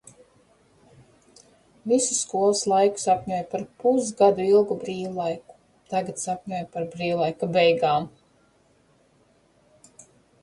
Visu skolas laiku sapņoju par pusgadu ilgu brīvlaiku. Tagad sapņoju par brīvlaika beigām.